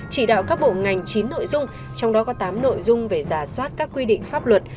chỉ đạo các bộ ngành chín nội dung trong đó có tám nội dung về giả soát các quy định pháp luật